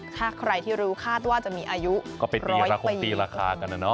ถ้าใครที่รู้คาดว่าจะมีอายุก็ไปตีละคงตีราคากันนะเนาะ